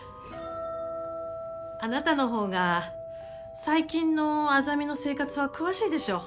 あなたの方が最近の莇の生活は詳しいでしょう。